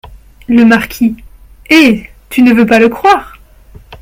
Le Marquis - Eh ! tu ne veux pas le croire !